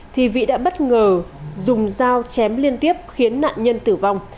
thì vị đã bất ngờ dùng dao chém liên tiếp khiến nạn nhân tử vong